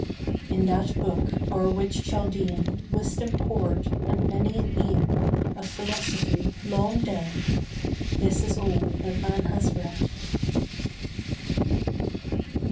In that book, o'er which Chaldean Wisdom poured and many an eon Of philosophy long dead, This is all that man has read.